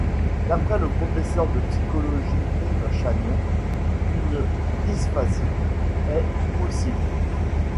D'après le professeur de psychologie Yves Chagnon, une dysphasie est possible.